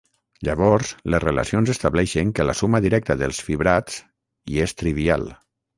Llavors les relacions estableixen que la suma directa dels fibrats i és trivial.